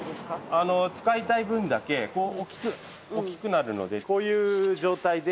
使いたい分だけこうおっきくなるのでこういう状態で。